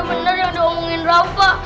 ini bener yang diomongin rafa